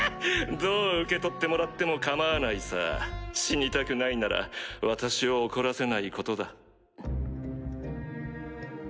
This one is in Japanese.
どう受け取ってもらっても構わないさ死にたくないなら私を怒らせないことだ